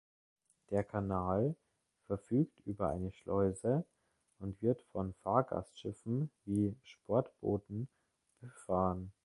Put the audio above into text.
Der Kanal verfügt über eine Schleuse und wird von Fahrgastschiffen wie Sportbooten befahren.